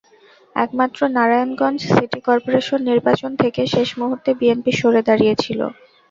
একমাত্র Narayanganj city corporation নির্বাচন থেকে শেষ মুহূর্তে বিএনপি সরে দাঁড়িয়েছিল।